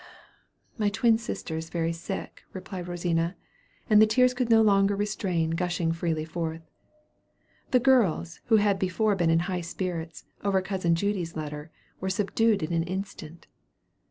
"My twin sister is very sick," replied Rosina; and the tears she could no longer restrain gushing freely forth. The girls, who had before been in high spirits, over cousin Judy's letter, were subdued in an instant.